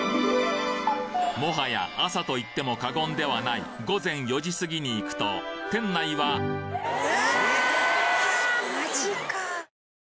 もはや朝と言っても過言ではない午前４時過ぎに行くと店内はわ！